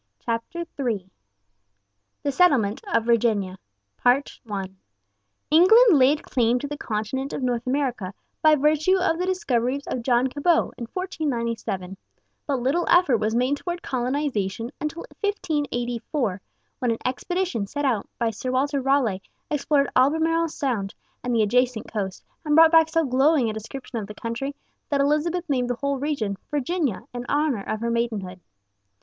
CHAPTER III THE SETTLEMENT OF VIRGINIA England laid claim to the continent of North America by virtue of the discoveries of John Cabot in 1497, but little effort was made toward colonization until 1584, when an expedition sent out by Sir Walter Raleigh explored Albemarle Sound and the adjacent coast, and brought back so glowing a description of the country that Elizabeth named the whole region Virginia, in honor of her maidenhood.